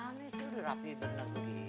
lo udah rapi udah rasu gitu